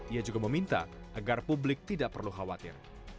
ia juga meminta agar publik tidak perlu khawatir